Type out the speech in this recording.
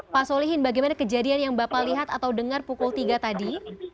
pak solihin bagaimana kejadian yang bapak lihat atau dengar pukul tiga tadi